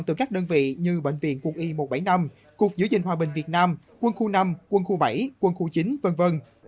từ các đơn vị như bệnh viện quân y một trăm bảy mươi năm cục giữ hòa bình việt nam quân khu năm quân khu bảy quân khu chín v v